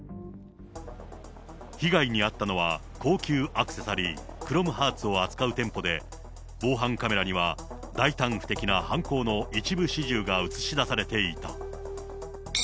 被害に遭ったのは、高級アクセサリー、クロムハーツを扱う店舗で、防犯カメラには大胆不敵な犯行の一部始終が写し出されていた。